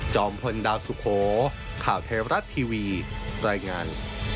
จอมพลดาวสุโขข่าวเทราติทีวีรายงาน